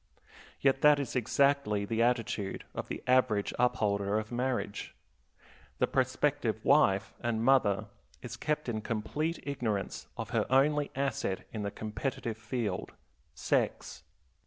Yet that is exactly the attitude of the average upholder of marriage. The prospective wife and mother is kept in complete ignorance of her only asset in the competitive field sex.